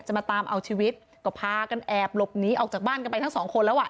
มาตามเอาชีวิตก็พากันแอบหลบหนีออกจากบ้านกันไปทั้งสองคนแล้วอ่ะ